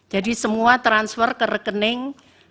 jadi semua transfer ke rekening